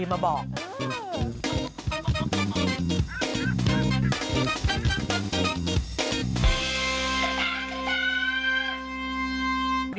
ติดตาม